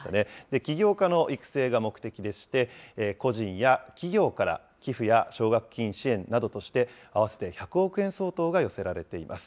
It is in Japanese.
起業家の育成が目的でして、個人や企業から寄付や奨学金支援などとして、合わせて１００億円相当が寄せられています。